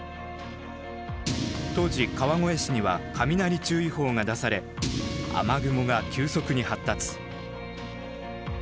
当時川越市には雷注意報が出され雨雲が急速に発達。